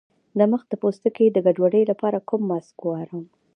د مخ د پوستکي د ګډوډۍ لپاره کوم ماسک وکاروم؟